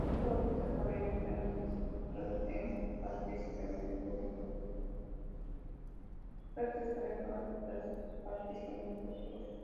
Todas estas carreras fueron disputadas en parques y caminos públicos.